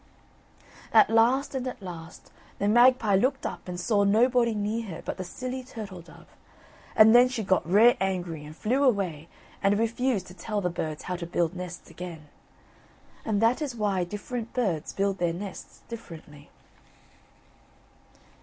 At last, and at last, the magpie looked up and saw nobody near her but the silly turtle dove, and then she got rare angry and flew away and refused to tell the birds how to build nests again. And that is why different birds build their nests differently.